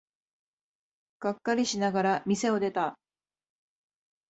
がっかりしながら店を出た。